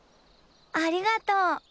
ありがとう。